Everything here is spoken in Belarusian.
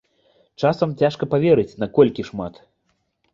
Часам цяжка паверыць, наколькі шмат.